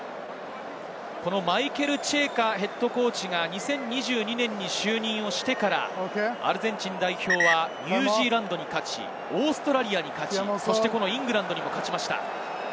マイケル・チェイカＨＣが２０２２年に就任してからアルゼンチン代表はニュージーランドに勝ちオーストラリアに勝ち、イングランドにも勝ちました。